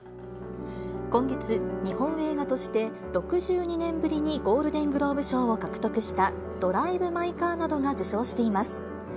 今月、日本映画として６２年ぶりにゴールデン・グローブ賞を獲得したドライブ・マイ・カーなどが受賞しています。